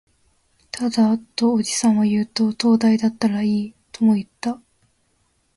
ただ、とおじさんは言うと、灯台だったらいい、とも言った